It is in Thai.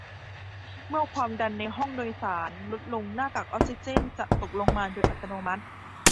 เมื่อความดันในห้องโดยสารลดลงหน้ากากออกซิเจนจะตกลงมาโดยอัตโนมัติ